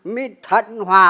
mới thận hòa